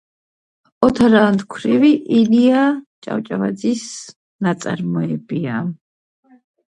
განსაკუთრებით ცნობილია თავისი ფასადით და მინის მოხატულობით.